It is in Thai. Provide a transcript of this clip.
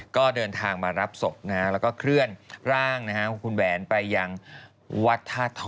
ก็เดินทางมารับศพแล้วก็เคลื่อนร่างของคุณแหวนไปยังวัดท่าทอ